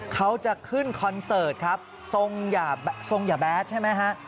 เขาจะขึ้นคอนเสิร์ตครับทรงอย่าแบดใช่ไหมฮะ